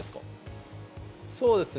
そうですね。